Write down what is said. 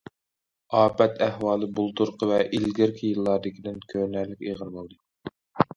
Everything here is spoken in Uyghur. ئاپەت ئەھۋالى بۇلتۇرقى ۋە ئىلگىرىكى يىللاردىكىدىن كۆرۈنەرلىك ئېغىر بولدى.